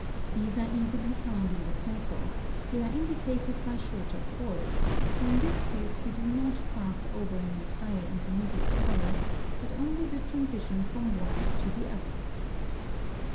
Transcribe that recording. These are easily found in the circle; they are indicated by shorter chords, for in this case we do not pass over an entire intermediate colour, but only the transition from one to the other.